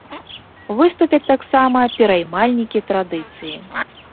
Выступяць таксама пераймальнікі традыцыі.